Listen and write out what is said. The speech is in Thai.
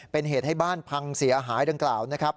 เป็นเหตุให้บ้านพังเสียหายดังกล่าวนะครับ